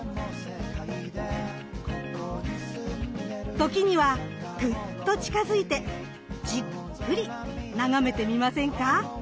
時にはグッと近づいてじっくり眺めてみませんか。